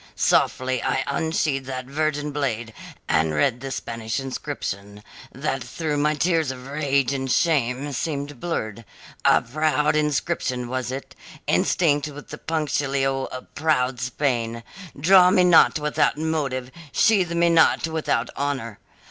Softly I unsheathed that virgin blade and read the Spanish inscription, that through my tears of rage and shame seemed blurred; a proud inscription was it, instinct with the punctilio of proud Spain 'Draw me not without motive, sheathe me not without honour.'